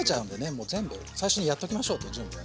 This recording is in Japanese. もう全部最初にやっときましょうと準備を。